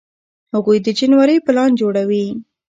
هغوی د جنورۍ پلان جوړوي.